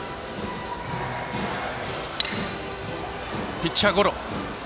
ピッチャーゴロ。